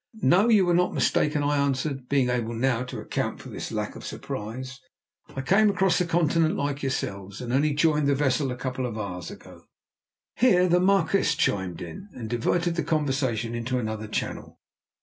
"No, you were not mistaken," I answered, being able now to account for this lack of surprise. "I came across the Continent like yourselves, and only joined the vessel a couple of hours ago." Here the Marquis chimed in, and diverted the conversation into another channel.